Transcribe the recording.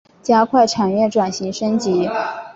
加快产业转型升级